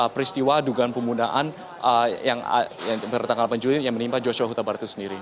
peristiwa dugaan penggunaan yang bertanggal delapan juli yang menimpa joshua huta barat itu sendiri